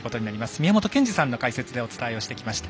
宮本賢二さんの解説でお伝えをしてきました。